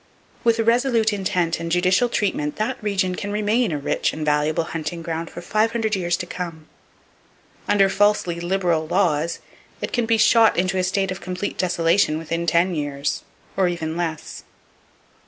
With resolute intent and judicial treatment that region can remain a rich and valuable hunting ground for five hundred years to come. Under falsely "liberal" laws, it can be shot into a state of complete desolation within ten years, or even less.